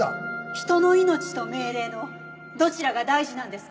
人の命と命令のどちらが大事なんですか？